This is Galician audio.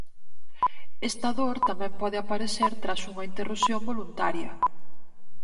Esta dor tamén pode aparecer tras unha interrupción voluntaria.